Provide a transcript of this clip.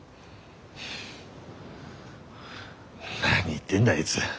何言ってんだあいづ。